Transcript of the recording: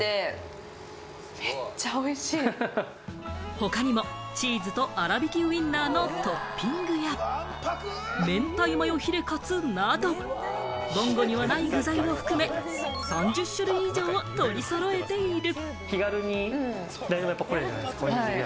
他にもチーズとあらびきウインナのトッピングや、明太マヨヒレカツなど、ぼんごにはない具材を含め、３０種類以上を取り揃えている。